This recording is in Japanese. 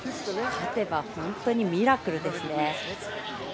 勝てば本当にミラクルですね。